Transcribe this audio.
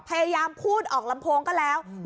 พยายามพูดออกลำโพงก็แล้ว